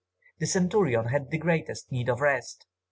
The Centurion had the greatest need of rest.